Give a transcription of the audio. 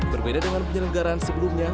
berbeda dengan penyelenggaran sebelumnya